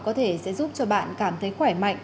có thể sẽ giúp cho bạn cảm thấy khỏe mạnh